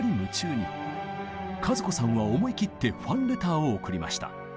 和子さんは思い切ってファンレターを送りました。